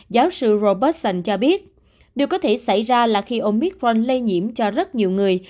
giáo sư robertson cho biết điều có thể xảy ra là khi omicron lây nhiễm cho rất nhiều người